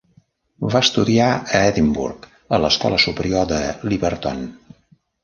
Va estudiar a Edimburg, a l'escola superior de Liberton.